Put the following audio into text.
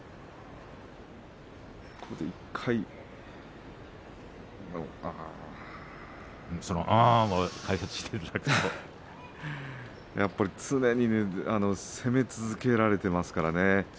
ここで１回常に攻め続けられていますからね。